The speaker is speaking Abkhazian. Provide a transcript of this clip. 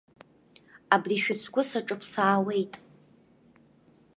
Абри шәыцгәы саҿыԥсаауеит.